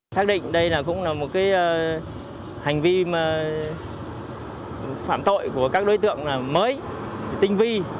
xác định đây cũng là một hành vi phạm tội của các đối tượng mới tinh vi